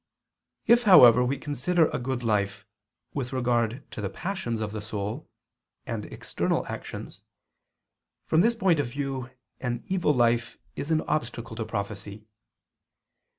If, however, we consider a good life, with regard to the passions of the soul, and external actions, from this point of view an evil life is an obstacle to prophecy.